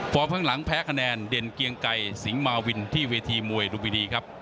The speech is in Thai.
พอเพิ่งหลังแพ้คะแนน